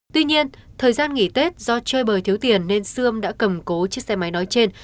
tuy nhiên thời gian nghỉ tết do chơi bời thiếu tiền nên sươm đã cầm cố chiếc xe máy nói trên